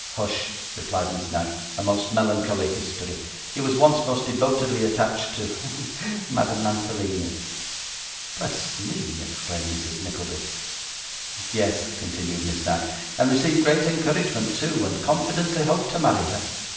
'Hush!' replied Miss Knag; 'a most melancholy history. He was once most devotedly attached to hem to Madame Mantalini.' 'Bless me!' exclaimed Mrs. Nickleby. 'Yes,' continued Miss Knag, 'and received great encouragement too, and confidently hoped to marry her.